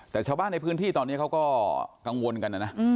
แต่ชาวบ้านในพื้นที่ตอนนี้เขาก็กังวลกันนะนะ